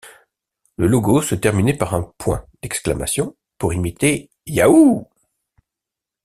Le logo se terminait par un point d'exclamation, pour imiter Yahoo!.